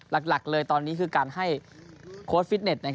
หลักเลยตอนนี้คือการให้โค้ชฟิตเน็ต